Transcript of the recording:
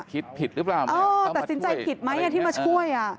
คิดผิดหรือเปล่าต้องมาช่วยแต่สินใจผิดไหมที่มาช่วย